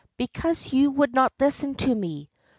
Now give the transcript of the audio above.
"Because you would not listen to me.